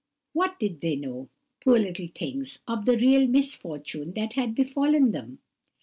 What did they know,—poor little things,—of the real misfortune which had befallen them!